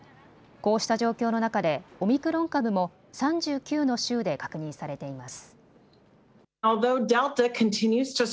こうした状況の中でオミクロン株も３９の州で確認されています。